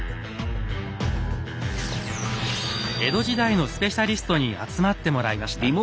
江戸時代のスペシャリストに集まってもらいました。